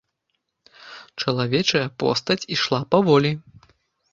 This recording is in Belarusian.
Чалавечая постаць ішла паволі.